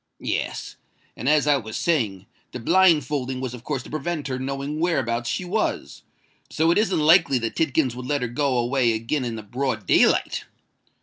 "Yes. And, as I was saying, the blindfolding was of course to prevent her knowing whereabouts she was: so it isn't likely that Tidkins would let her go away again in the broad day light."